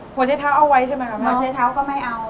หัวใช้เท้าเอาไว้ใช่ไหมคะหมอใช้เท้าก็ไม่เอา